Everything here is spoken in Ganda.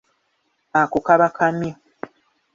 Ako kaba kamyu.